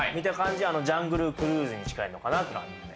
ジャングルクルーズに近いのかなっていうのはあるよね